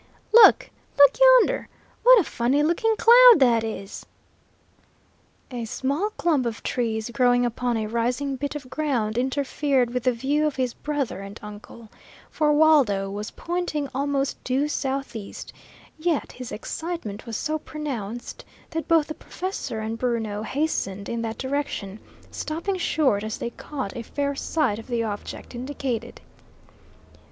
"Look look yonder! What a funny looking cloud that is!" A small clump of trees growing upon a rising bit of ground interfered with the view of his brother and uncle, for Waldo was pointing almost due southeast; yet his excitement was so pronounced that both the professor and Bruno hastened in that direction, stopping short as they caught a fair sight of the object indicated.